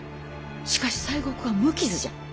しかし西国は無傷じゃ。